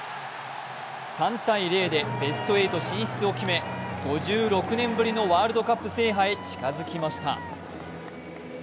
３−０でベスト８進出を決め５６年ぶりのワールドカップ制覇へ近づきました。